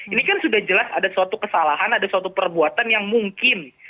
ini kan sudah jelas ada suatu kesalahan ada suatu perbuatan yang mungkin